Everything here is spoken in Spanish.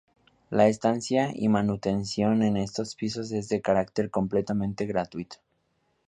La estancia y manutención en estos pisos es de carácter completamente gratuito.